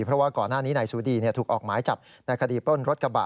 เพราะว่าก่อนหน้านี้นายซูดีถูกออกหมายจับในคดีปล้นรถกระบะ